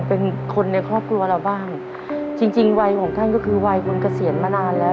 เป็นคนในครอบครัวเราบ้างจริงจริงวัยของท่านก็คือวัยคุณเกษียณมานานแล้ว